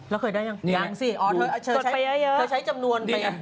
เราเคยได้ยังยังสิอ๋อเธอใช้จำนวนไป